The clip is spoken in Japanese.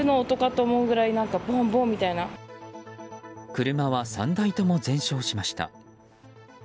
車は３台とも全焼しました。